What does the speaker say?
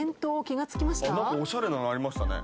おしゃれなのありましたね。